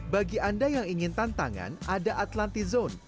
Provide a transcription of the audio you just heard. bagi anda yang ingin tantangan ada atlanti zone